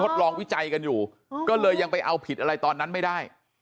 ลองวิจัยกันอยู่ก็เลยยังไปเอาผิดอะไรตอนนั้นไม่ได้